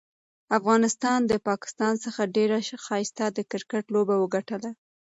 افغانستان ده پاکستان څخه ډيره ښايسته د کرکټ لوبه وګټله.